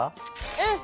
うん！